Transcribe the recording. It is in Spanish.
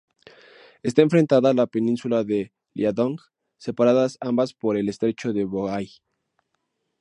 Está enfrentada a la península de Liaodong, separadas ambas por el estrecho de Bohai.